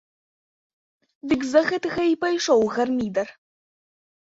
Дык з-за гэтага і пайшоў гармідар.